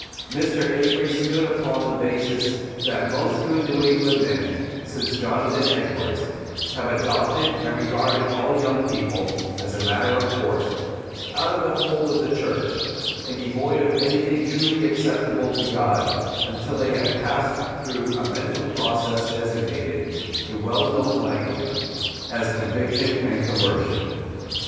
Mr. Avery stood upon the basis that most good New England men, since Jonathan Edwards, have adopted, and regarded all young people, as a matter of course, out of the fold of the Church, and devoid of anything truly acceptable to God, until they had passed through a mental process designated, in well known language, as conviction and conversion.